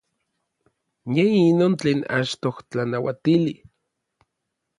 Yej inon tlen achtoj tlanauatili.